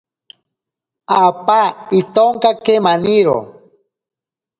Apa itonkake maniro.